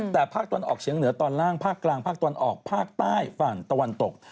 แต่ภาคตะวันออกเฉียงเหนือตอนล่างภาคกลางภาคตะวันออกภาคใต้ฝั่งตะวันตก